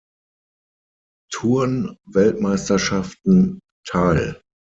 Turn-Weltmeisterschaften teil.